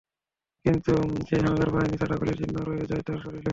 কিন্তু সেই হানাদার বাহিনীর ছোড়া গুলির চিহ্ন রয়ে যায় তাঁর শরীরে।